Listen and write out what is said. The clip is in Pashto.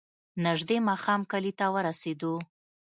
نژدې ماښام کلي ته ورسېدو.